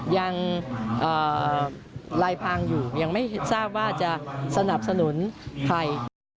ลายพังอยู่ยังไม่ทราบว่าจะสนับสนุนใคร